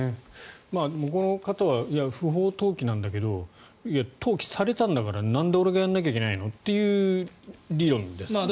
この方は不法投棄なんだけど投棄されたんだからなんで俺がやんなきゃいけないのという理論ですもんね。